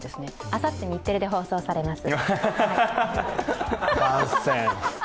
あさって日テレで放送されます。